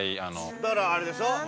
◆だから、あれでしょう。